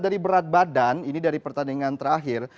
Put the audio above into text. dari berat badan ini dari pertandingan terakhir